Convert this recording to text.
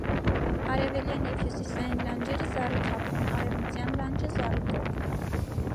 Արևելյան և հյուսիսային լանջերը զառիթափ են, արևմտյան լանջը՝ զառիկող։